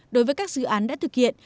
đối với các dự án đã thực hiện